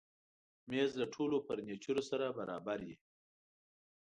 مېز له ټولو فرنیچرو سره برابر وي.